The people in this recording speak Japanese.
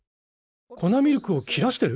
こなミルクを切らしてる？